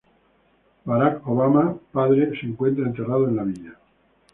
Barack Obama, padre, se encuentra enterrado en la villa.